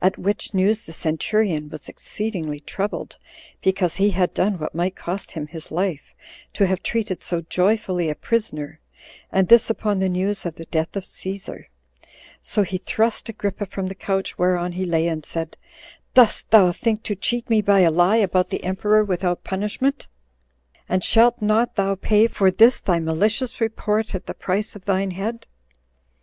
At which news the centurion was exceedingly troubled, because he had done what might cost him his life, to have treated so joyfully a prisoner, and this upon the news of the death of Cæsar; so he thrust Agrippa from the couch whereon he lay, and said, "Dost thou think to cheat me by a lie about the emperor without punishment? and shalt not thou pay for this thy malicious report at the price of thine head?"